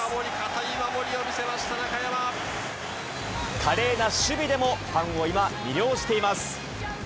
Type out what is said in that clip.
いい守り、華麗な守備でもファンを今、魅了しています。